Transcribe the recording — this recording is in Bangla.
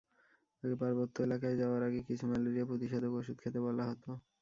আগে পার্বত্য এলাকায় যাওয়ার আগে কিছু ম্যালেরিয়া প্রতিষেধক ওষুধ খেতে বলা হতো।